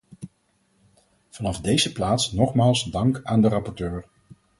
Vanaf deze plaats nogmaals dank aan de rapporteur.